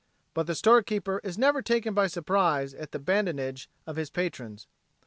But the storekeeper is never taken by surprize at the badinage of his patrons.